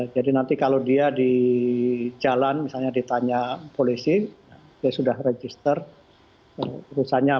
jadi nanti kalau dia di jalan misalnya ditanya polisi dia sudah register